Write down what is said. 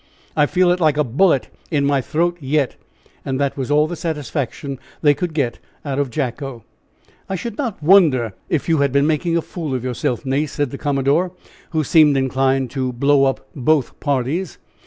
I feel it like a bullet in my throat yet!" And that was all the satisfaction they could get out of Jacko. "I should not wonder if you had been making a fool of yourself, Nace," said the commodore, who seemed inclined to blow up both parties.